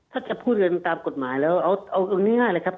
ถ้าจะพูดกันตามกฎหมายแล้วเอาง่ายเลยครับ